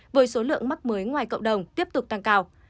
với số lượng mắc mới ngoài cộng đồng tiếp tục tăng cao